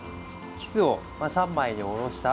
キスを３枚におろした